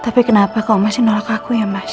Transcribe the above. tapi kenapa kau masih nolak aku ya mas